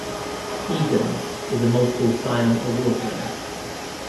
Egan is a multiple Seiun Award winner.